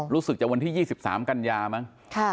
รู้สึกจะวันที่๒๓กันยามั้ง